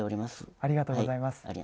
ありがとうございます。